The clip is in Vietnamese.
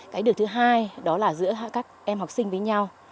cái điều thứ hai đó là giữa các em học sinh với nhau